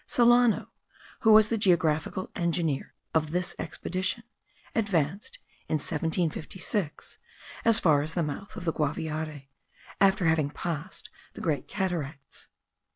Solano, who was the geographical engineer of this expedition, advanced in 1756 as far as the mouth of the Guaviare, after having passed the Great Cataracts.